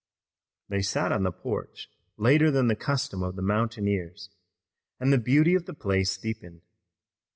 They sat on the porch later than the custom of the mountaineers, and the beauty of the place deepened.